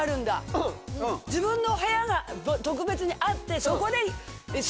自分の部屋が特別にあってそこで。